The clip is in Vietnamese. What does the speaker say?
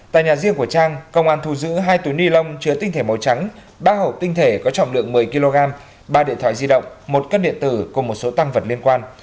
tại nhà riêng của trang công an thu giữ hai túi ni lông chứa tinh thể màu trắng ba hộp tinh thể có trọng lượng một mươi kg ba điện thoại di động một cân điện tử cùng một số tăng vật liên quan